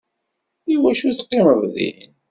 Iwacu teqqimeḍ din?